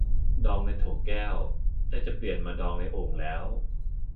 ดองในโถแก้ว แต่จะเปลี่ยนมาดองในโอ่งแล้ว